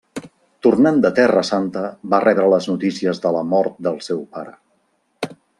Tornant de Terra Santa va rebre les notícies de la mort del seu pare.